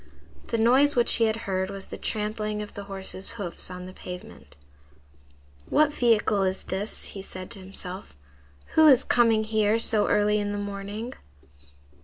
The noise which he had heard was the trampling of the horse's hoofs on the pavement. "What vehicle is this?" he said to himself. "Who is coming here so early in the morning?"